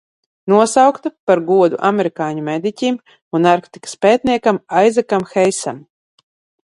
Nosaukta par godu amerikāņu mediķim un Arktikas pētniekam Aizekam Heisam.